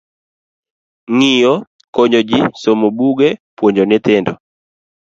Ng'iyo: konyo ji, somo buge, puonjo nyithindo.